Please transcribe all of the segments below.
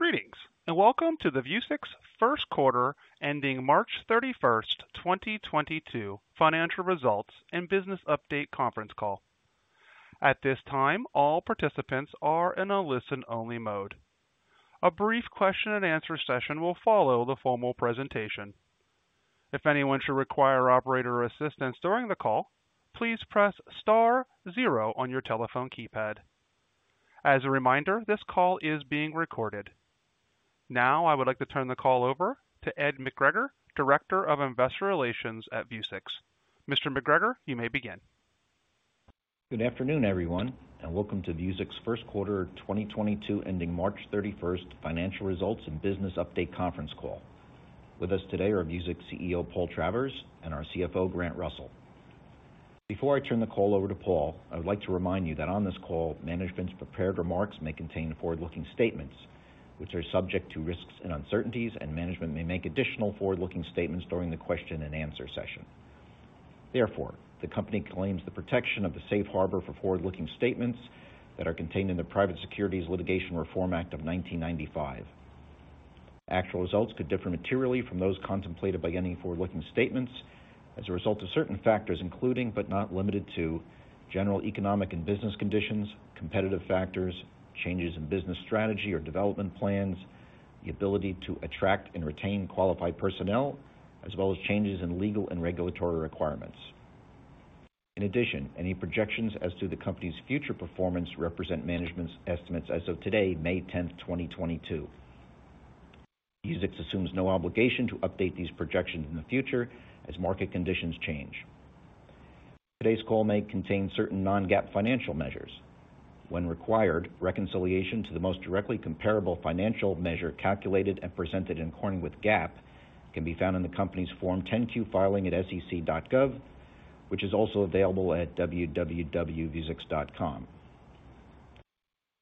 Greetings, and welcome to the Vuzix first quarter ending March 31st, 2022 financial results and business update conference call. At this time, all participants are in a listen-only mode. A brief question and answer session will follow the formal presentation. If anyone should require operator assistance during the call, please press star zero on your telephone keypad. As a reminder, this call is being recorded. Now I would like to turn the call over to Ed McGregor, Director of Investor Relations at Vuzix. Mr. McGregor, you may begin. Good afternoon, everyone, and welcome to Vuzix first quarter 2022 ending March 31st financial results and business update conference call. With us today are Vuzix CEO, Paul Travers, and our CFO, Grant Russell. Before I turn the call over to Paul, I would like to remind you that on this call, management's prepared remarks may contain forward-looking statements which are subject to risks and uncertainties, and management may make additional forward-looking statements during the question and answer session. Therefore, the company claims the protection of the safe harbor for forward-looking statements that are contained in the Private Securities Litigation Reform Act of 1995. Actual results could differ materially from those contemplated by any forward-looking statements as a result of certain factors, including, but not limited to general economic and business conditions, competitive factors, changes in business strategy or development plans, the ability to attract and retain qualified personnel, as well as changes in legal and regulatory requirements. In addition, any projections as to the company's future performance represent management's estimates as of today, May 10th, 2022. Vuzix assumes no obligation to update these projections in the future as market conditions change. Today's call may contain certain non-GAAP financial measures. When required, reconciliation to the most directly comparable financial measure calculated and presented in accordance with GAAP can be found in the company's Form 10-Q filing at sec.gov, which is also available at www.vuzix.com.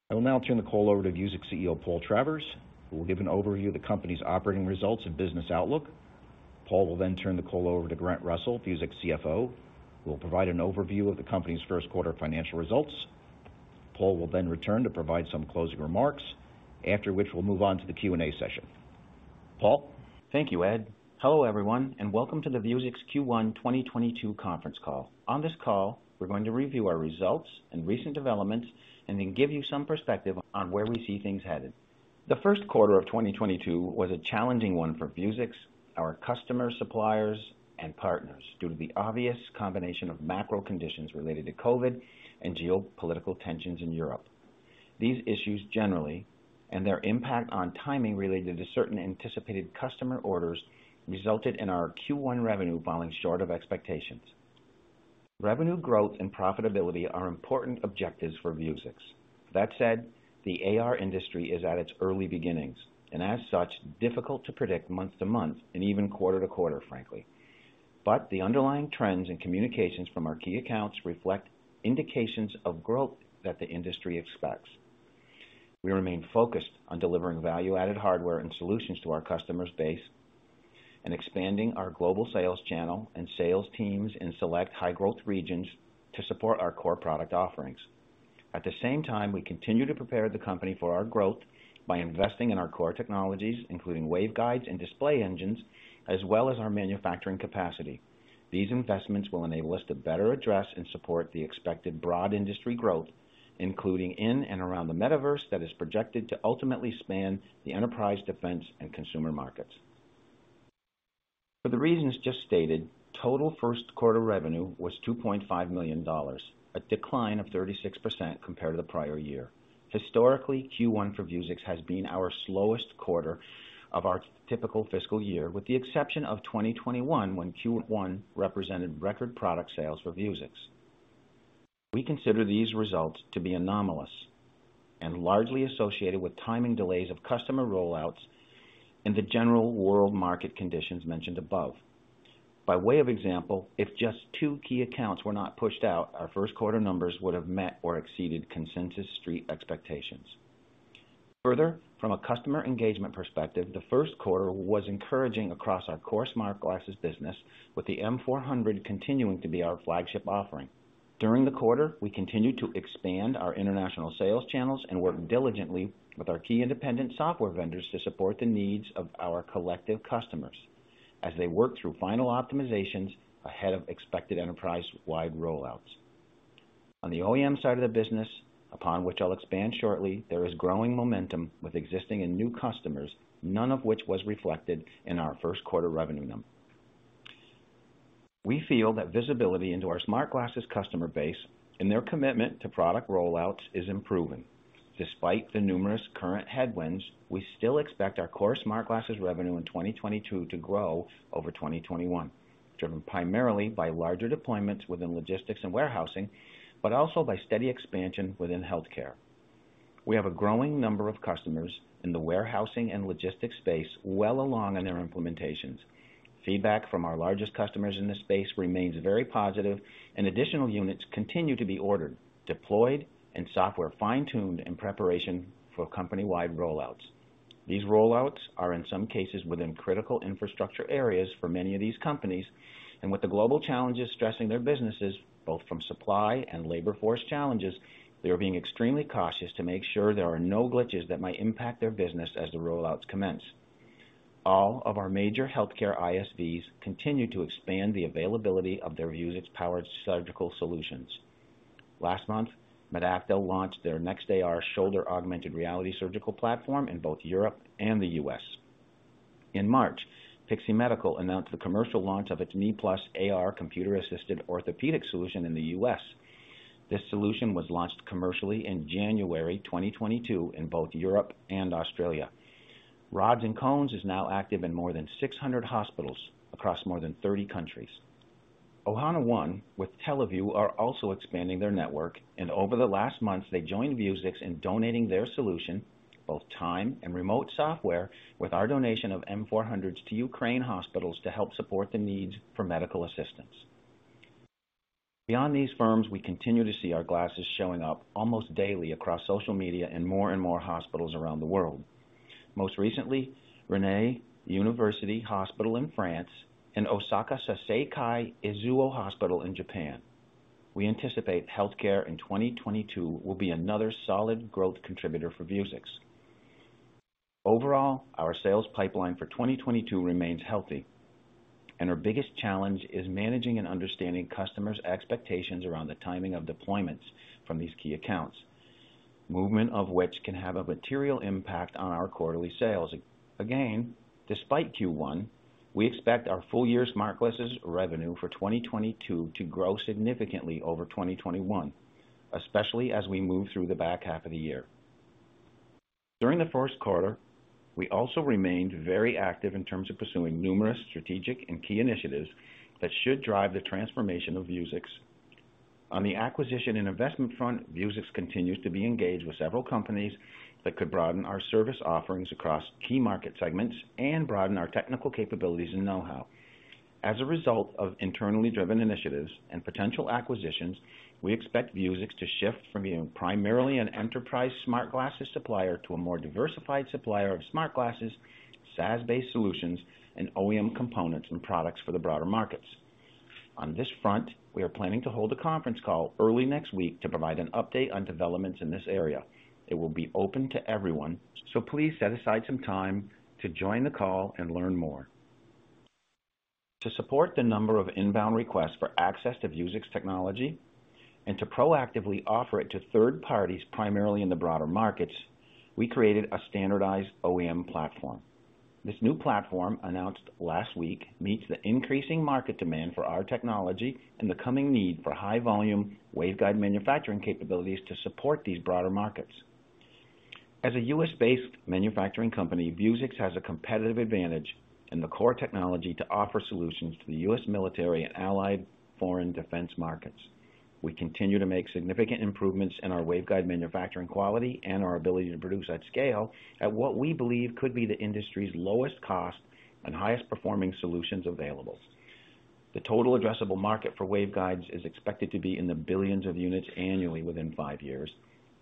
I will now turn the call over to Vuzix CEO, Paul Travers, who will give an overview of the company's operating results and business outlook. Paul will then turn the call over to Grant Russell, Vuzix CFO, who will provide an overview of the company's first quarter financial results. Paul will then return to provide some closing remarks, after which we'll move on to the Q&A session. Paul. Thank you, Ed. Hello, everyone, and welcome to the Vuzix Q1 2022 conference call. On this call, we're going to review our results and recent developments, and then give you some perspective on where we see things headed. The first quarter of 2022 was a challenging one for Vuzix, our customer suppliers and partners, due to the obvious combination of macro conditions related to COVID and geopolitical tensions in Europe. These issues generally, and their impact on timing related to certain anticipated customer orders, resulted in our Q1 revenue falling short of expectations. Revenue growth and profitability are important objectives for Vuzix. That said, the AR industry is at its early beginnings and, as such, difficult to predict month to month and even quarter to quarter, frankly. The underlying trends and communications from our key accounts reflect indications of growth that the industry expects. We remain focused on delivering value-added hardware and solutions to our customers' base, and expanding our global sales channel and sales teams in select high-growth regions to support our core product offerings. At the same time, we continue to prepare the company for our growth by investing in our core technologies, including waveguides and display engines, as well as our manufacturing capacity. These investments will enable us to better address and support the expected broad industry growth, including in and around the Metaverse that is projected to ultimately span the enterprise, defense, and consumer markets. For the reasons just stated, total first quarter revenue was $2.5 million, a decline of 36% compared to the prior year. Historically, Q1 for Vuzix has been our slowest quarter of our typical fiscal year, with the exception of 2021, when Q1 represented record product sales for Vuzix. We consider these results to be anomalous and largely associated with timing delays of customer rollouts, and the general world market conditions mentioned above. By way of example, if just two key accounts were not pushed out, our first quarter numbers would have met or exceeded consensus street expectations. Further, from a customer engagement perspective, the first quarter was encouraging across our core smart glasses business, with the M400 continuing to be our flagship offering. During the quarter, we continued to expand our international sales channels and work diligently with our key independent software vendors to support the needs of our collective customers as they work through final optimizations ahead of expected enterprise-wide rollouts. On the OEM side of the business, upon which I'll expand shortly, there is growing momentum with existing and new customers, none of which was reflected in our first quarter revenue number. We feel that visibility into our smart glasses customer base and their commitment to product rollouts is improving. Despite the numerous current headwinds, we still expect our core smart glasses revenue in 2022 to grow over 2021, driven primarily by larger deployments within logistics and warehousing, but also by steady expansion within healthcare. We have a growing number of customers in the warehousing and logistics space well along in their implementations. Feedback from our largest customers in this space remains very positive, and additional units continue to be ordered, deployed, and software fine-tuned in preparation for company-wide rollouts. These rollouts are in some cases within critical infrastructure areas for many of these companies, and with the global challenges stressing their businesses both from supply and labor force challenges, they are being extremely cautious to make sure there are no glitches that might impact their business as the rollouts commence. All of our major healthcare ISVs continue to expand the availability of their Vuzix-powered surgical solutions. Last month, Medacta launched their next AR shoulder augmented reality surgical platform in both Europe and the U.S. In March, Pixee Medical announced the commercial launch of its Knee+ AR computer-assisted orthopedic solution in the U.S. This solution was launched commercially in January 2022 in both Europe and Australia. Rods&Cones is now active in more than 600 hospitals across more than 30 countries. Ohana One with TeleVU are also expanding their network, and over the last months, they joined Vuzix in donating their solution, both time and remote software. With our donation of M400s to Ukraine hospitals to help support the needs for medical assistance. Beyond these firms, we continue to see our glasses showing up almost daily across social media in more and more hospitals around the world. Most recently, Rennes University Hospital in France and Osaka Saiseikai Izuo Hospital in Japan. We anticipate healthcare in 2022 will be another solid growth contributor for Vuzix. Overall, our sales pipeline for 2022 remains healthy, and our biggest challenge is managing and understanding customers' expectations around the timing of deployments from these key accounts, movement of which can have a material impact on our quarterly sales. Again, despite Q1, we expect our full year smart glasses revenue for 2022 to grow significantly over 2021, especially as we move through the back half of the year. During the first quarter, we also remained very active in terms of pursuing numerous strategic and key initiatives that should drive the transformation of Vuzix. On the acquisition and investment front, Vuzix continues to be engaged with several companies that could broaden our service offerings across key market segments and broaden our technical capabilities and know-how. As a result of internally driven initiatives and potential acquisitions, we expect Vuzix to shift from being primarily an enterprise smart glasses supplier to a more diversified supplier of smart glasses, SaaS-based solutions, and OEM components and products for the broader markets. On this front, we are planning to hold a conference call early next week to provide an update on developments in this area. It will be open to everyone, so please set aside some time to join the call and learn more. To support the number of inbound requests for access to Vuzix technology and to proactively offer it to third parties, primarily in the broader markets, we created a standardized OEM platform. This new platform, announced last week, meets the increasing market demand for our technology and the coming need for high-volume waveguide manufacturing capabilities to support these broader markets. As a US-based manufacturing company, Vuzix has a competitive advantage in the core technology to offer solutions to the US military and allied foreign defense markets. We continue to make significant improvements in our waveguide manufacturing quality and our ability to produce at scale at what we believe could be the industry's lowest cost and highest performing solutions available. The total addressable market for waveguides is expected to be in the billions of units annually within five years.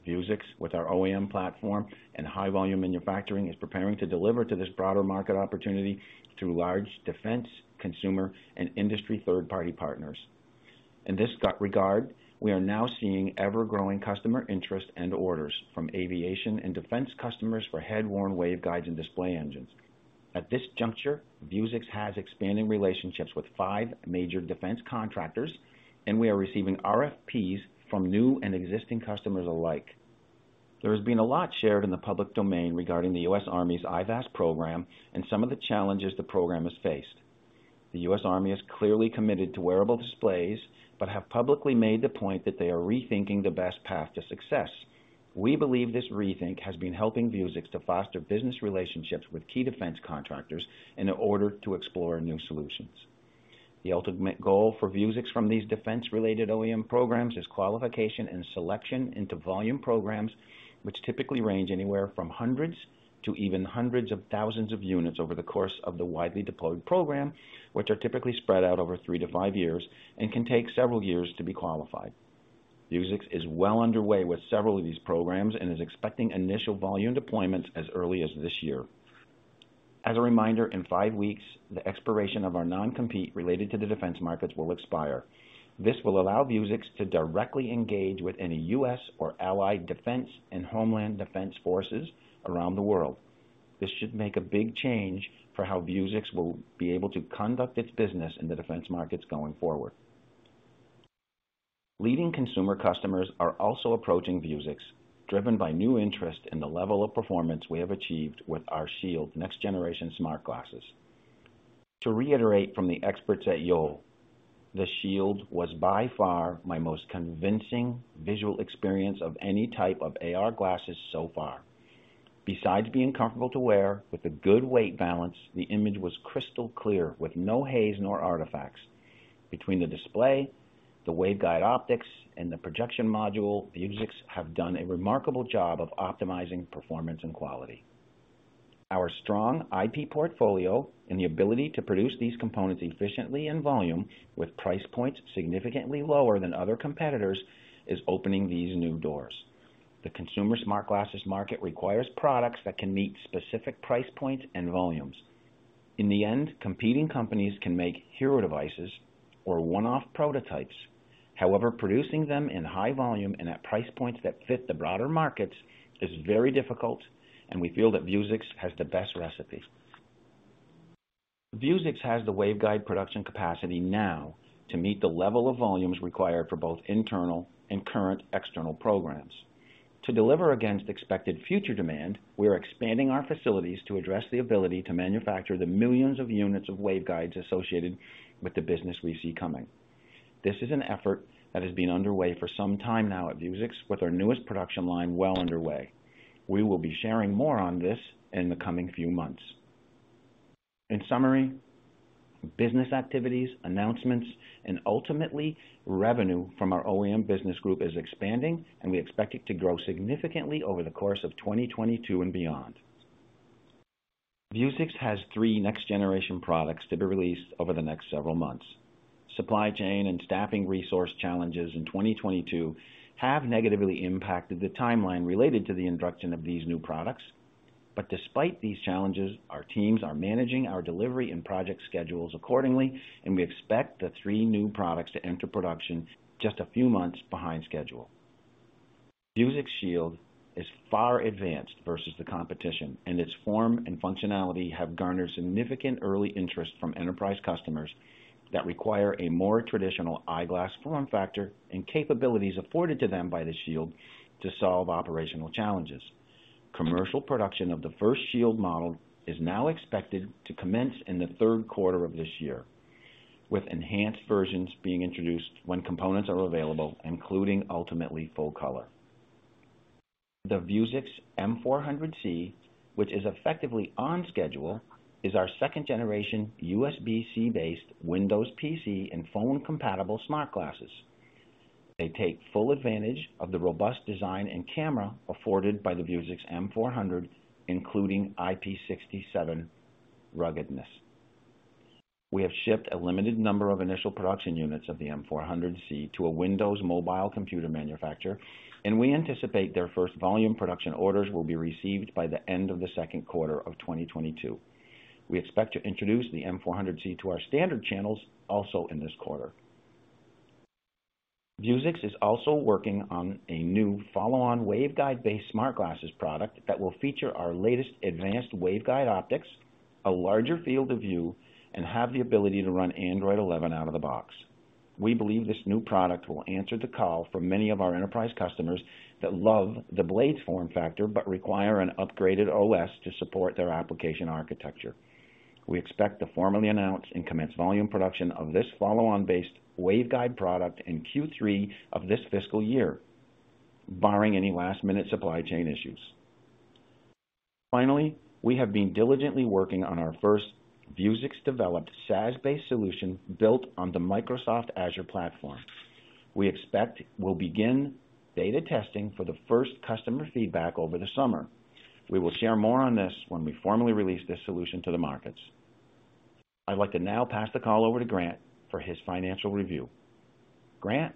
Vuzix, with our OEM platform and high-volume manufacturing, is preparing to deliver to this broader market opportunity through large defense, consumer, and industry third-party partners. In this regard, we are now seeing ever-growing customer interest and orders from aviation and defense customers for head-worn waveguides and display engines. At this juncture, Vuzix has expanding relationships with five major defense contractors, and we are receiving RFPs from new and existing customers alike. There has been a lot shared in the public domain regarding the US Army's IVAS program and some of the challenges the program has faced. The US Army is clearly committed to wearable displays, but has publicly made the point that they are rethinking the best path to success. We believe this rethink has been helping Vuzix to foster business relationships with key defense contractors in order to explore new solutions. The ultimate goal for Vuzix from these defense-related OEM programs is qualification and selection into volume programs which typically range anywhere from hundreds to even hundreds of thousands of units over the course of the widely deployed program, which are typically spread out over 3-5 years and can take several years to be qualified. Vuzix is well underway with several of these programs and is expecting initial volume deployments as early as this year. As a reminder, in five weeks, the expiration of our non-compete related to the defense markets will expire. This will allow Vuzix to directly engage with any U.S. or allied defense and homeland defense forces around the world. This should make a big change for how Vuzix will be able to conduct its business in the defense markets going forward. Leading consumer customers are also approaching Vuzix, driven by new interest in the level of performance we have achieved with our Shield next generation smart glasses. To reiterate from the experts at Karl Guttag, "The Shield was by far my most convincing visual experience of any type of AR glasses so far. Besides being comfortable to wear with a good weight balance, the image was crystal clear with no haze nor artifacts. Between the display, the waveguide optics, and the projection module, Vuzix have done a remarkable job of optimizing performance and quality." Our strong IP portfolio and the ability to produce these components efficiently in volume with price points significantly lower than other competitors is opening these new doors. The consumer smart glasses market requires products that can meet specific price points and volumes. In the end, competing companies can make hero devices or one-off prototypes. However, producing them in high volume and at price points that fit the broader markets is very difficult, and we feel that Vuzix has the best recipe. Vuzix has the waveguide production capacity now to meet the level of volumes required for both internal and current external programs. To deliver against expected future demand, we are expanding our facilities to address the ability to manufacture the millions of units of waveguides associated with the business we see coming. This is an effort that has been underway for some time now at Vuzix, with our newest production line well underway. We will be sharing more on this in the coming few months. In summary, business activities, announcements, and ultimately revenue from our OEM business group is expanding, and we expect it to grow significantly over the course of 2022 and beyond. Vuzix has three next-generation products to be released over the next several months. Supply chain and staffing resource challenges in 2022 have negatively impacted the timeline related to the introduction of these new products. Despite these challenges, our teams are managing our delivery and project schedules accordingly, and we expect the three new products to enter production just a few months behind schedule. Vuzix Shield is far advanced versus the competition, and its form and functionality have garnered significant early interest from enterprise customers that require a more traditional eyeglass form factor and capabilities afforded to them by the Shield to solve operational challenges. Commercial production of the first Shield model is now expected to commence in the third quarter of this year, with enhanced versions being introduced when components are available, including ultimately full color. The Vuzix M400C, which is effectively on schedule, is our second generation USB-C based Windows PC and phone compatible smart glasses. They take full advantage of the robust design and camera afforded by the Vuzix M400, including IP67 ruggedness. We have shipped a limited number of initial production units of the M400C to a Windows mobile computer manufacturer, and we anticipate their first volume production orders will be received by the end of the second quarter of 2022. We expect to introduce the M400C to our standard channels also in this quarter. Vuzix is also working on a new follow-on waveguide-based smart glasses product that will feature our latest advanced waveguide optics, a larger field of view, and have the ability to run Android 11 out of the box. We believe this new product will answer the call for many of our enterprise customers that love the Blade form factor but require an upgraded OS to support their application architecture. We expect to formally announce and commence volume production of this follow-on waveguide-based product in Q3 of this fiscal year, barring any last-minute supply chain issues. Finally, we have been diligently working on our first Vuzix-developed SaaS-based solution built on the Microsoft Azure platform. We expect we'll begin beta testing for the first customer feedback over the summer. We will share more on this when we formally release this solution to the markets. I'd like to now pass the call over to Grant for his financial review. Grant?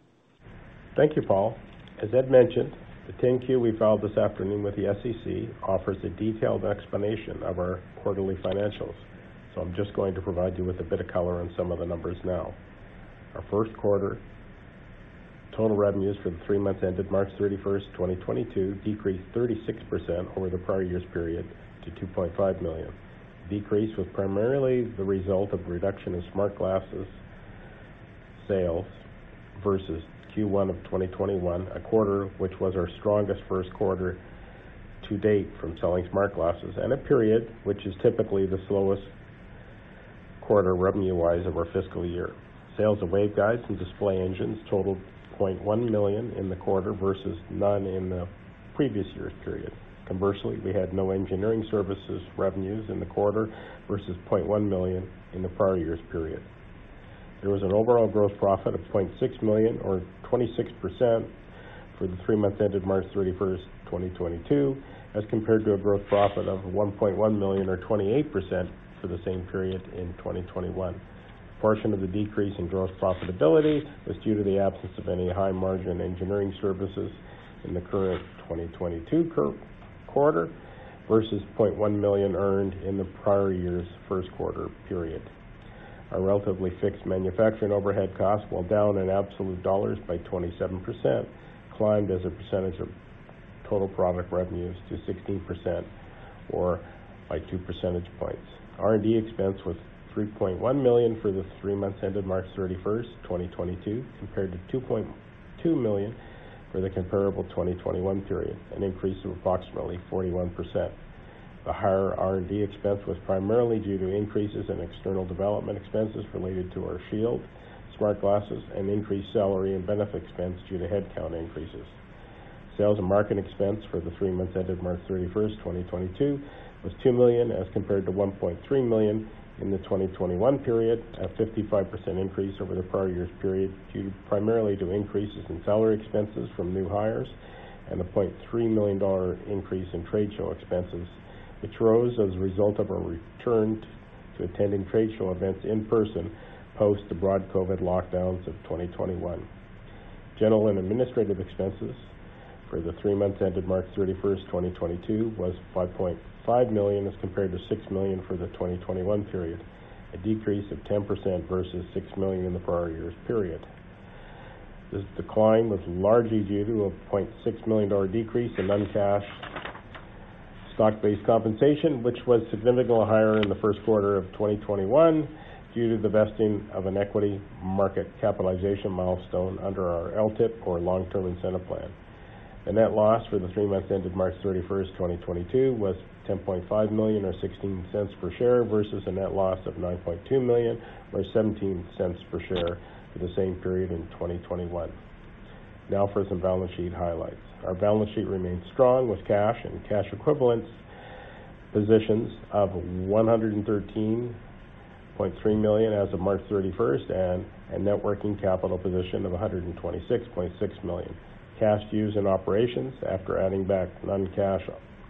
Thank you, Paul. As Ed mentioned, the 10-Q we filed this afternoon with the SEC offers a detailed explanation of our quarterly financials, so I'm just going to provide you with a bit of color on some of the numbers now. Our first quarter total revenues for the three months ended March 31st, 2022, decreased 36% over the prior year's period to $2.5 million. Decrease was primarily the result of reduction in smart glasses sales versus Q1 of 2021, a quarter which was our strongest first quarter to date from selling smart glasses and a period which is typically the slowest quarter revenue-wise of our fiscal year. Sales of waveguides and display engines totaled $0.1 million in the quarter versus none in the previous year's period. Conversely, we had no engineering services revenues in the quarter versus $0.1 million in the prior year's period. There was an overall gross profit of $0.6 million or 26% for the three months ended March 31st, 2022, as compared to a gross profit of $1.1 million or 28% for the same period in 2021. A portion of the decrease in gross profitability was due to the absence of any high margin engineering services in the current 2022 quarter versus $0.1 million earned in the prior year's first quarter period. Our relatively fixed manufacturing overhead cost, while down in absolute dollars by 27%, climbed as a percentage of total product revenues to 16% or by 2 percentage points. R&D expense was $3.1 million for the three months ended March 31st, 2022, compared to $2.2 million for the comparable 2021 period, an increase of approximately 41%. The higher R&D expense was primarily due to increases in external development expenses related to our Shield smart glasses, and increased salary and benefit expense due to headcount increases. Sales and marketing expense for the three months ended March 31st, 2022, was $2 million as compared to $1.3 million in the 2021 period. A 55% increase over the prior year's period due primarily to increases in salary expenses from new hires and a $0.3 million increase in trade show expenses, which rose as a result of a return to attending trade show events in person post the broad COVID lockdowns of 2021. General and administrative expenses. For the three months ended March 31st, 2022 was $5.5 million as compared to $6 million for the 2021 period, a decrease of 10% versus $6 million in the prior year's period. This decline was largely due to a $0.6 million decrease in non-cash stock-based compensation, which was significantly higher in the first quarter of 2021 due to the vesting of an equity market capitalization milestone under our LTIP or Long-Term Incentive Plan. The net loss for the three months ended March 31st, 2022 was $10.5 million or $0.16 per share versus a net loss of $9.2 million or $0.17 per share for the same period in 2021. Now for some balance sheet highlights. Our balance sheet remains strong with cash and cash equivalents positions of $113.3 million as of March 31st, and a net working capital position of $126.6 million. Cash use in operations after adding back non-cash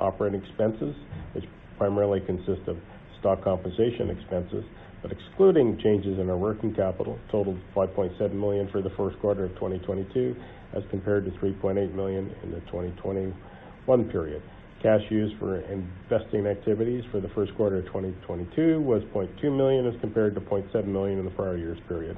operating expenses, which primarily consist of stock compensation expenses, but excluding changes in our working capital totaled $5.7 million for the first quarter of 2022, as compared to $3.8 million in the 2021 period. Cash use for investing activities for the first quarter of 2022 was $0.2 million, as compared to $0.7 million in the prior year's period.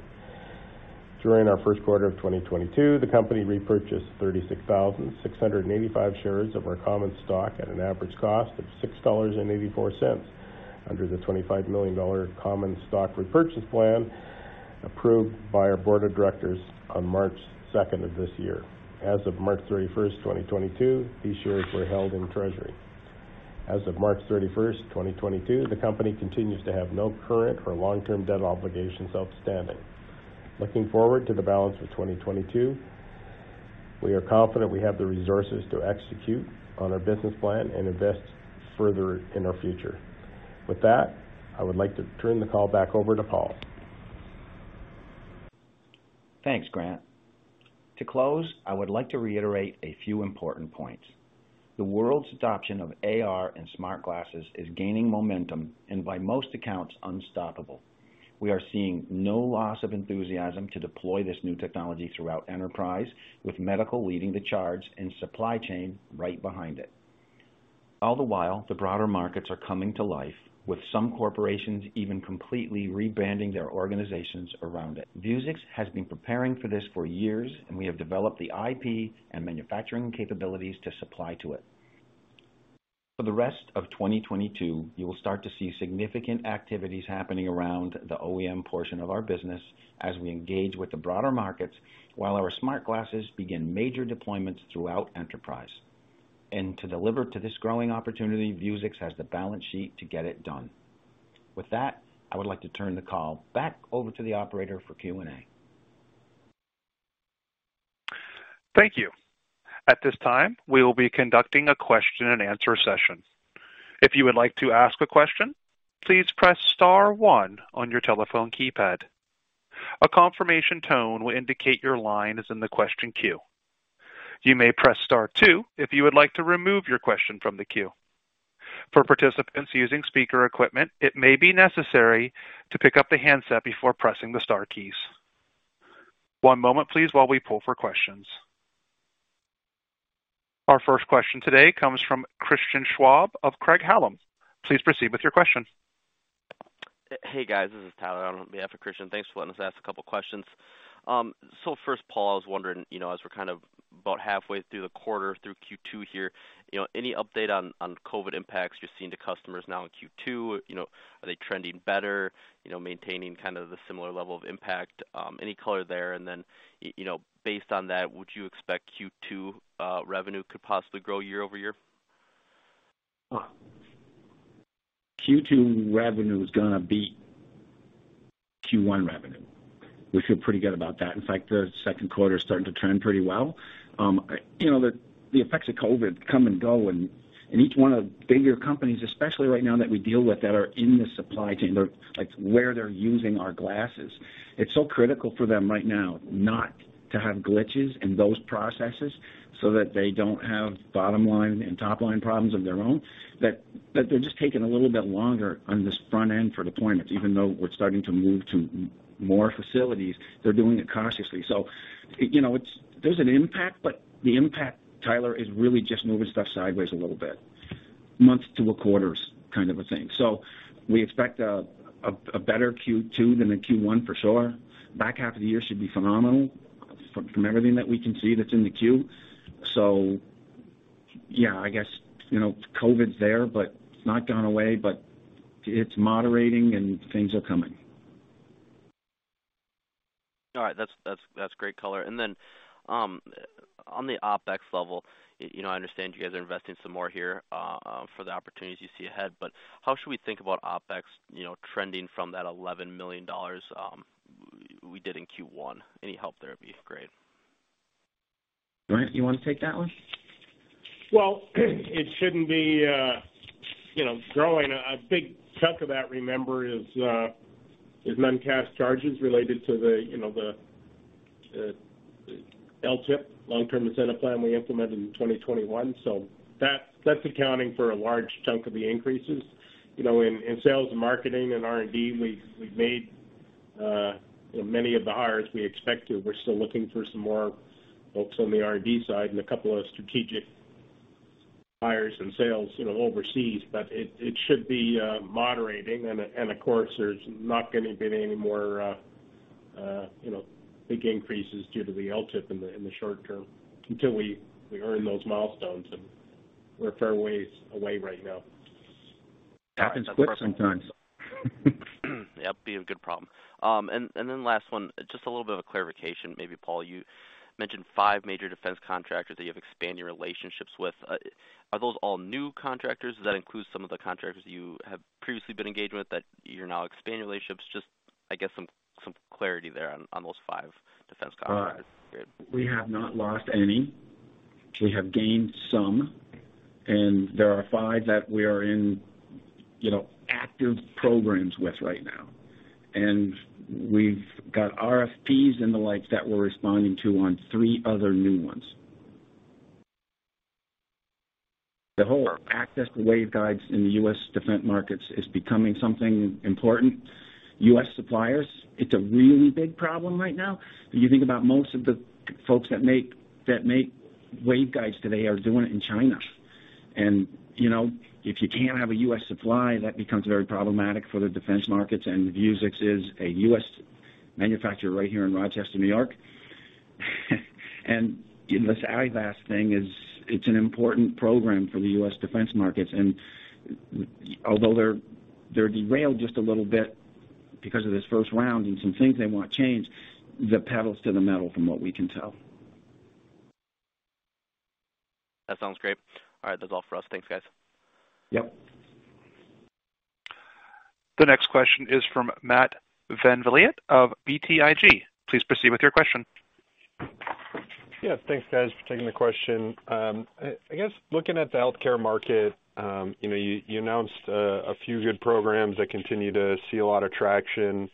During our first quarter of 2022, the company repurchased 36,685 shares of our common stock at an average cost of $6.84 under the $25 million common stock repurchase plan approved by our board of directors on March 2nd of this year. As of March 31st, 2022, these shares were held in treasury. As of March 31st, 2022, the company continues to have no current or long-term debt obligations outstanding. Looking forward to the balance of 2022, we are confident we have the resources to execute on our business plan and invest further in our future. With that, I would like to turn the call back over to Paul. Thanks, Grant. To close, I would like to reiterate a few important points. The world's adoption of AR and smart glasses is gaining momentum and by most accounts, unstoppable. We are seeing no loss of enthusiasm to deploy this new technology throughout enterprise, with medical leading the charge and supply chain right behind it. All the while, the broader markets are coming to life, with some corporations even completely rebranding their organizations around it. Vuzix has been preparing for this for years, and we have developed the IP and manufacturing capabilities to supply to it. For the rest of 2022, you will start to see significant activities happening around the OEM portion of our business as we engage with the broader markets while our smart glasses begin major deployments throughout enterprise. To deliver to this growing opportunity, Vuzix has the balance sheet to get it done. With that, I would like to turn the call back over to the operator for Q&A. Thank you. At this time, we will be conducting a question and answer session. If you would like to ask a question, please press star one on your telephone keypad. A confirmation tone will indicate your line is in the question queue. You may press star two if you would like to remove your question from the queue. For participants using speaker equipment, it may be necessary to pick up the handset before pressing the star keys. One moment please while we pull for questions. Our first question today comes from Christian Schwab of Craig-Hallum. Please proceed with your question. Hey, guys. This is Tyler on behalf of Christian. Thanks for letting us ask a couple of questions. First, Paul, I was wondering, you know, as we're kind of about halfway through the quarter through Q2 here, you know, any update on COVID impacts you're seeing to customers now in Q2? You know, are they trending better, you know, maintaining kind of the similar level of impact? Any color there? You know, based on that, would you expect Q2 revenue could possibly grow year-over-year? Q2 revenue is gonna beat Q1 revenue. We feel pretty good about that. In fact, the second quarter is starting to turn pretty well. You know, the effects of COVID come and go, and each one of the bigger companies, especially right now that we deal with that are in the supply chain, they're like where they're using our glasses. It's so critical for them right now not to have glitches in those processes so that they don't have bottom line and top line problems of their own, that they're just taking a little bit longer on this front end for deployments. Even though we're starting to move to more facilities, they're doing it cautiously. You know, it's. There's an impact, but the impact, Tyler, is really just moving stuff sideways a little bit, month to a quarter's kind of a thing. We expect a better Q2 than the Q1 for sure. Back half of the year should be phenomenal from everything that we can see that's in the queue. Yeah, I guess, you know, COVID's there, but it's not gone away, but it's moderating and things are coming. All right. That's great color. On the OpEx level, you know, I understand you guys are investing some more here, for the opportunities you see ahead, but how should we think about OpEx, you know, trending from that $11 million we did in Q1? Any help there would be great. Grant, you wanna take that one? Well, it shouldn't be, you know, growing. A big chunk of that, remember, is non-cash charges related to the, you know, the LTIP, Long-Term Incentive Plan we implemented in 2021. That's accounting for a large chunk of the increases. You know, in sales and marketing and R&D, we've made, we're still looking for some more folks on the R&D side and a couple of strategic hires in sales, you know, overseas. It should be moderating. Of course, there's not gonna be any more, you know, big increases due to the LTIP in the short term until we earn those milestones, and we're a fair ways away right now. Happens quick sometimes. Yep, be a good problem. Last one, just a little bit of a clarification maybe, Paul. You mentioned five major defense contractors that you have expanded your relationships with. Are those all new contractors? Does that include some of the contractors you have previously been engaged with that you're now expanding relationships? Just, I guess, some clarity there on those five defense contractors. All right. We have not lost any. We have gained some, and there are five that we are in, you know, active programs with right now. We've got RFPs and the likes that we're responding to on three other new ones. The whole access to waveguides in the US defense markets is becoming something important. US suppliers, it's a really big problem right now. If you think about most of the folks that make waveguides today are doing it in China. You know, if you can't have a US supply, that becomes very problematic for the defense markets, and Vuzix is a US manufacturer right here in Rochester, New York. This IVAS thing is. It's an important program for the US defense markets. Although they're derailed just a little bit because of this first round and some things they want changed, the pedal's to the metal from what we can tell. That sounds great. All right, that's all for us. Thanks, guys. Yep. The next question is from Matt VanVliet of BTIG. Please proceed with your question. Yeah. Thanks, guys, for taking the question. I guess looking at the healthcare market, you know, you announced a few good programs that continue to see a lot of traction.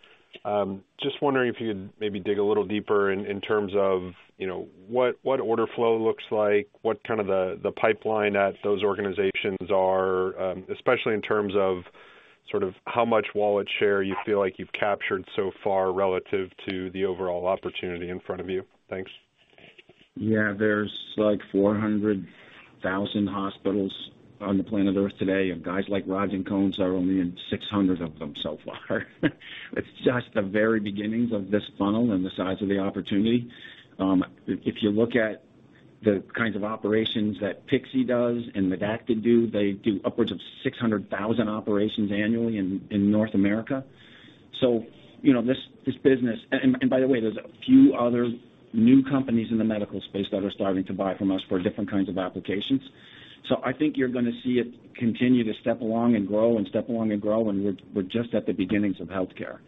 Just wondering if you could maybe dig a little deeper in terms of, you know, what order flow looks like, what kind of the pipeline at those organizations are, especially in terms of sort of how much wallet share you feel like you've captured so far relative to the overall opportunity in front of you. Thanks. Yeah. There's like 400,000 hospitals on the planet Earth today, and guys like Rods&Cones are only in 600 of them so far. It's just the very beginnings of this funnel and the size of the opportunity. If you look at the kinds of operations that Pixee does and Medacta do, they do upwards of 600,000 operations annually in North America. You know, this business. By the way, there's a few other new companies in the medical space that are starting to buy from us for different kinds of applications. I think you're gonna see it continue to step along and grow and step along and grow, and we're just at the beginnings of healthcare.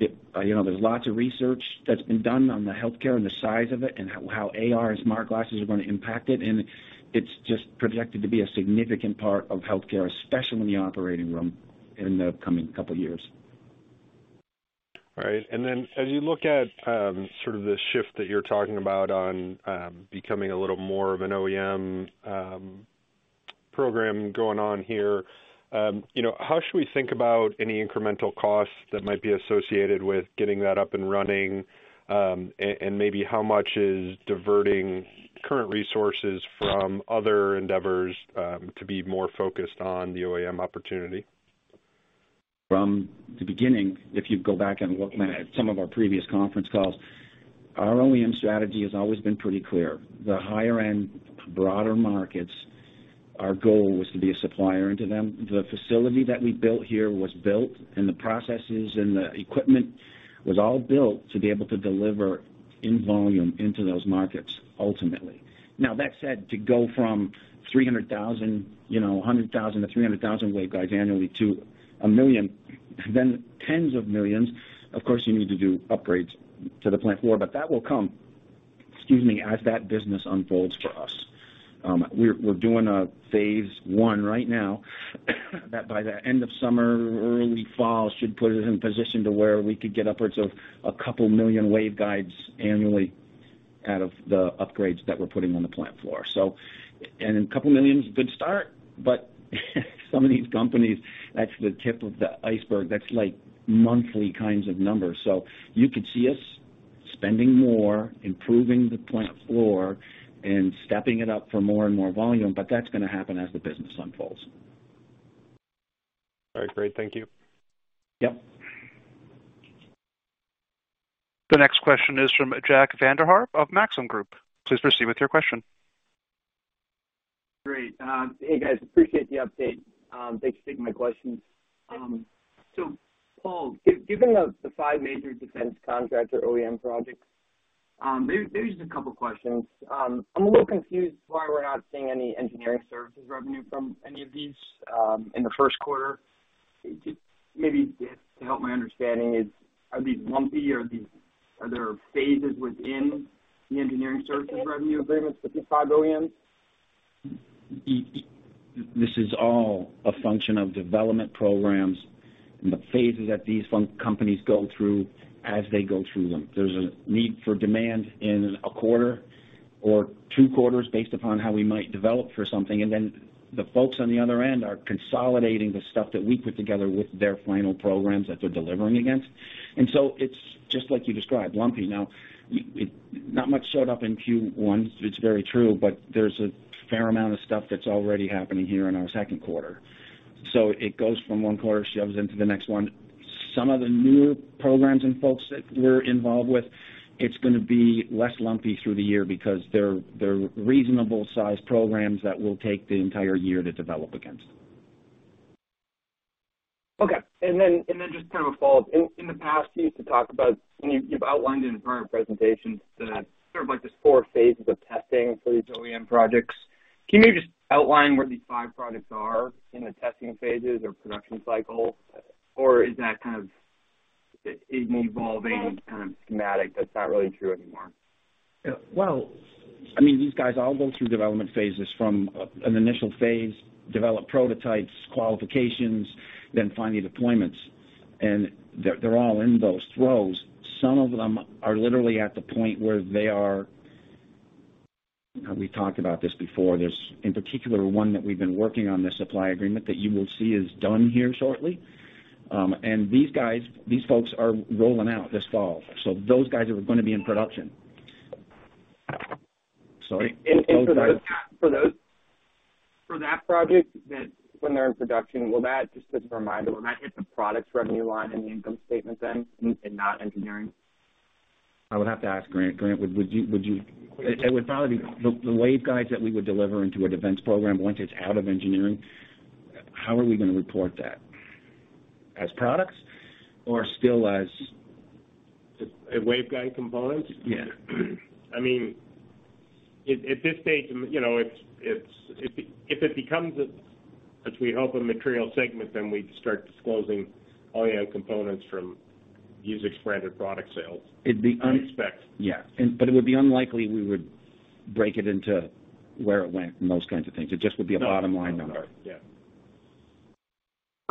You know, there's lots of research that's been done on the healthcare and the size of it, and how AR and smart glasses are gonna impact it, and it's just projected to be a significant part of healthcare, especially in the operating room in the coming couple years. All right. As you look at, sort of the shift that you're talking about on, becoming a little more of an OEM program going on here, you know, how should we think about any incremental costs that might be associated with getting that up and running? Maybe how much is diverting current resources from other endeavors, to be more focused on the OEM opportunity? From the beginning, if you go back and look at some of our previous conference calls, our OEM strategy has always been pretty clear. The higher end, broader markets, our goal was to be a supplier into them. The facility that we built here was built, and the processes and the equipment was all built to be able to deliver in volume into those markets ultimately. Now, that said, to go from 300,000, you know, 100,000 to 300,000 waveguides annually to 1 million, then tens of millions, of course, you need to do upgrades to the plant floor, but that will come, excuse me, as that business unfolds for us. We're doing a phase I right now that by the end of summer, early fall, should put us in position to where we could get upwards of 2 million waveguides annually out of the upgrades that we're putting on the plant floor. 2 million is a good start, but some of these companies, that's the tip of the iceberg. That's like monthly kinds of numbers. You could see us spending more, improving the plant floor, and stepping it up for more and more volume, but that's gonna happen as the business unfolds. All right. Great. Thank you. Yep. The next question is from Jack Vander Aarde of Maxim Group. Please proceed with your question. Great. Hey, guys, appreciate the update. Thanks for taking my questions. Paul, given the five major defense contractor OEM projects, there's a couple of questions. I'm a little confused why we're not seeing any engineering services revenue from any of these in the first quarter. Just maybe to help my understanding, are these lumpy? Are there phases within the engineering services revenue agreements with these five OEMs? This is all a function of development programs and the phases that these companies go through as they go through them. There's a need for demand in a quarter or two quarters based upon how we might develop for something, and then the folks on the other end are consolidating the stuff that we put together with their final programs that they're delivering against. It's just like you described, lumpy. Now, not much showed up in Q1, it's very true, but there's a fair amount of stuff that's already happening here in our second quarter. It goes from one quarter, shoves into the next one. Some of the newer programs and folks that we're involved with, it's gonna be less lumpy through the year because they're reasonable-sized programs that will take the entire year to develop against. Okay. Just kind of a follow-up. In the past, you've outlined it in current presentations that sort of like this four phases of testing for these OEM projects. Can you just outline where these five projects are in the testing phases or production cycle? Is that kind of an evolving kind of schematic that's not really true anymore? Yeah. Well, I mean, these guys all go through development phases from an initial phase, develop prototypes, qualifications, then finally deployments. They're all in those throes. Some of them are literally at the point where they are. We talked about this before. There's in particular one that we've been working on this supply agreement that you will see is done here shortly. These guys, these folks are rolling out this fall, so those guys are gonna be in production. Sorry. For that project, when they're in production, just a reminder, will that hit the products revenue line in the income statement then and not engineering? I would have to ask Grant. Grant, would you? It would probably be the waveguides that we would deliver into a defense program once it's out of engineering, how are we gonna report that? As products or still as- Waveguide components? Yeah. I mean, at this stage, you know, it's if it becomes, as we hope, a material segment, then we'd start disclosing OEM components from Vuzix-branded product sales. It'd be un- We expect. Yeah. It would be unlikely we would break it into where it went and those kinds of things. It just would be a bottom line number.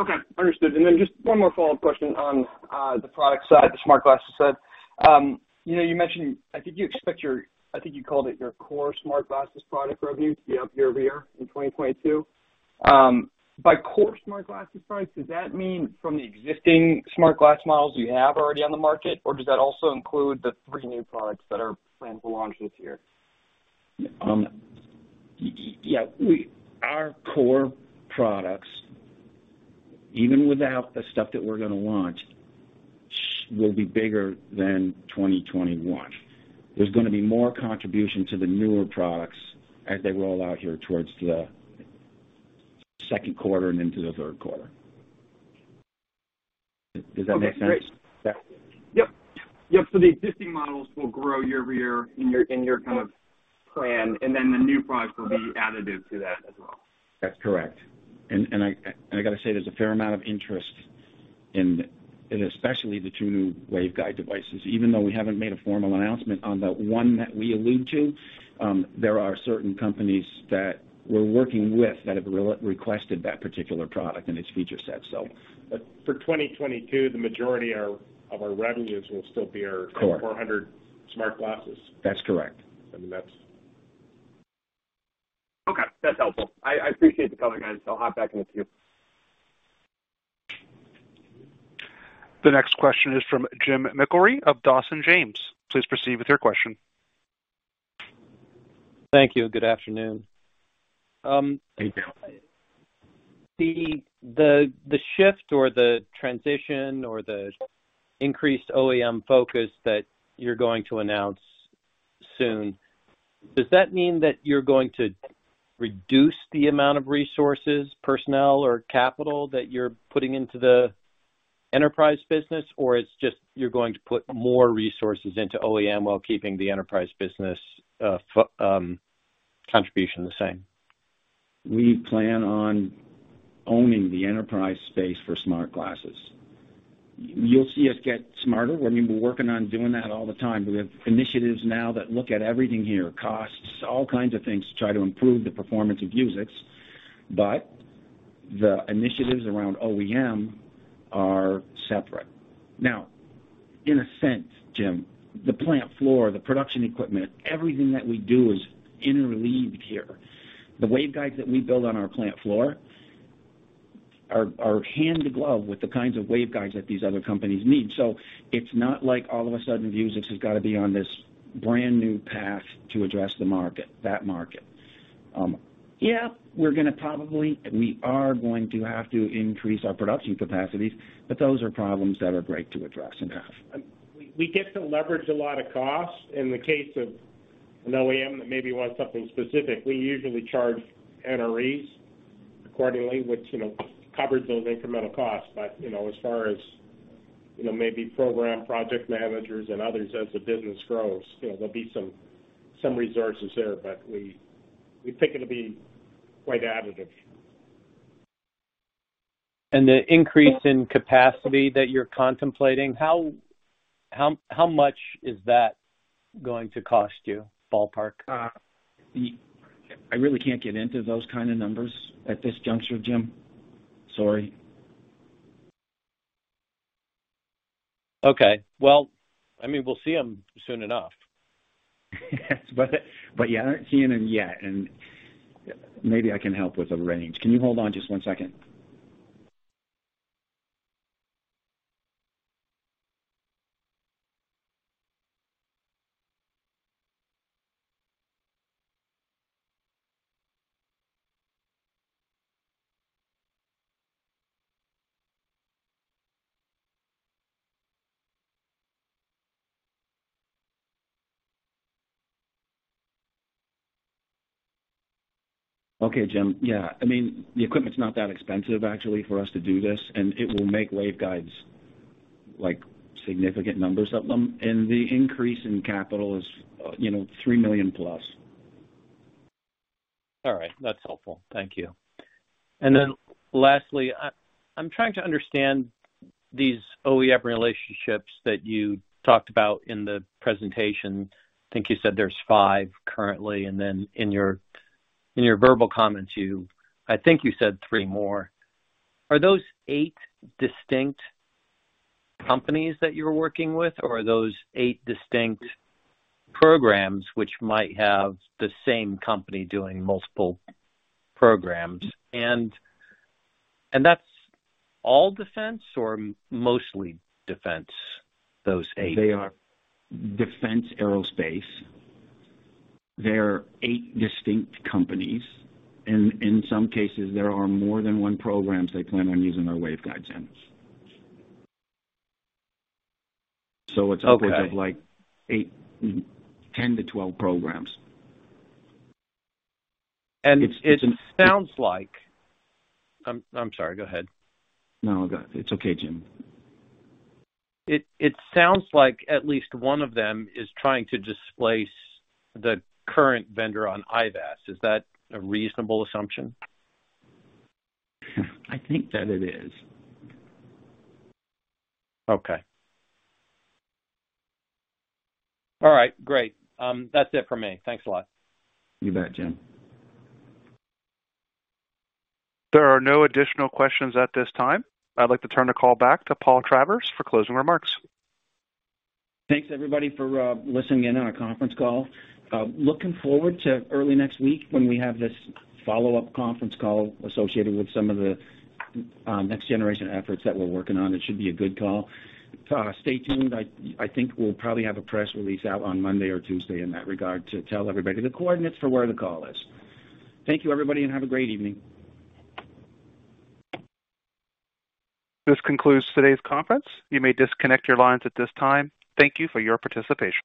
No, no. Right. Yeah. Okay. Understood. Just one more follow-up question on the product side, the smart glasses side. You know, you mentioned I think you expect your, I think you called it your core smart glasses product revenue to be up year-over-year in 2022. By core smart glasses products, does that mean from the existing smart glasses models you have already on the market, or does that also include the three new products that are planned to launch this year? Yeah. Our core products, even without the stuff that we're gonna launch, will be bigger than 2021. There's gonna be more contribution to the newer products as they roll out here towards the second quarter and into the third quarter. Does that make sense? Okay, great. Yeah. Yep. Yep. The existing models will grow year-over-year in your kind of plan, and then the new products will be additive to that as well. That's correct. I gotta say, there's a fair amount of interest in especially the two new waveguide devices, even though we haven't made a formal announcement on the one that we allude to, there are certain companies that we're working with that have re-requested that particular product and its feature set. For 2022, the majority of our revenues will still be our- Correct. M400 smart glasses. That's correct. I mean, that's. Okay, that's helpful. I appreciate the color, guys. I'll hop back in with you. The next question is from Jim McIlree of Dawson James. Please proceed with your question. Thank you. Good afternoon. Thank you. The shift or the transition or the increased OEM focus that you're going to announce soon, does that mean that you're going to reduce the amount of resources, personnel or capital that you're putting into the enterprise business? It's just you're going to put more resources into OEM while keeping the enterprise business, contribution the same? We plan on owning the enterprise space for smart glasses. You'll see us get smarter. I mean, we're working on doing that all the time. We have initiatives now that look at everything here, costs, all kinds of things to try to improve the performance of Vuzix, but the initiatives around OEM are separate. Now, in a sense, Jim, the plant floor, the production equipment, everything that we do is interwoven here. The waveguides that we build on our plant floor are hand in glove with the kinds of waveguides that these other companies need. So it's not like all of a sudden, Vuzix has gotta be on this brand new path to address the market, that market. Yeah, we are going to have to increase our production capacities, but those are problems that are great to address and have. We get to leverage a lot of costs in the case of an OEM that maybe wants something specific. We usually charge NREs accordingly, which, you know, covers those incremental costs. You know, as far as, you know, maybe program project managers and others as the business grows, you know, there'll be some resources there. We think it'll be quite additive. The increase in capacity that you're contemplating, how much is that going to cost you, ballpark? I really can't get into those kind of numbers at this juncture, Jim. Sorry. Okay. Well, I mean, we'll see them soon enough. Yes, but you aren't seeing them yet, and maybe I can help with a range. Can you hold on just one second? Okay, Jim. Yeah, I mean, the equipment's not that expensive actually for us to do this, and it will make waveguides, like, significant numbers of them. The increase in capital is, you know, $3 million+. All right. That's helpful. Thank you. Then lastly, I'm trying to understand these OEM relationships that you talked about in the presentation. I think you said there's five currently, and then in your verbal comments, I think you said three more. Are those eight distinct companies that you're working with or are those eight distinct programs which might have the same company doing multiple programs? That's all defense or mostly defense, those eight? They are defense and aerospace. They're eight distinct companies, and in some cases, there are more than one programs they plan on using our waveguide gems. It's upwards. Okay. Of like eight, 10-12 programs. It sounds like I'm sorry, go ahead. No, go ahead. It's okay, Jim. It sounds like at least one of them is trying to displace the current vendor on IVAS. Is that a reasonable assumption? I think that it is. Okay. All right, great. That's it for me. Thanks a lot. You bet, Jim. There are no additional questions at this time. I'd like to turn the call back to Paul Travers for closing remarks. Thanks everybody for listening in on our conference call. Looking forward to early next week when we have this follow-up conference call associated with some of the next generation efforts that we're working on. It should be a good call. Stay tuned. I think we'll probably have a press release out on Monday or Tuesday in that regard to tell everybody the coordinates for where the call is. Thank you, everybody, and have a great evening. This concludes today's conference. You may disconnect your lines at this time. Thank you for your participation.